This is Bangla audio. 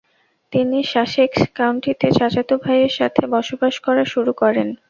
তিনি সাসেক্স কাউন্টিতে চাচাতো ভাইদের সাথে বসবাস করা শুরু করেন।